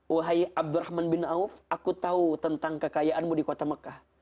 wahai abdurrahman bin auf aku tahu tentang kekayaanmu di kota mekah